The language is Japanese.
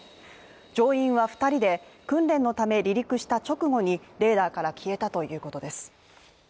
乗員は２人で訓練のため離陸した直後にレーダーから消えたということです。